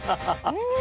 うん！